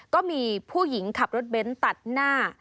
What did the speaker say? ก็มีผู้หญิงขับรถเบ้นตัดหน้า